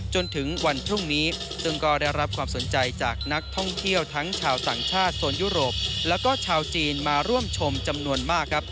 จนถึงวันพรุ่งนี้ซึ่งก็ได้รับความสนใจจากนักท่องเที่ยวทั้งชาวต่างชาติโซนยุโรปแล้วก็ชาวจีนมาร่วมชมจำนวนมากครับ